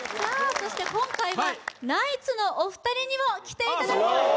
そして今回はナイツのお二人にも来ていただいております